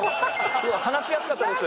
話しやすかったです。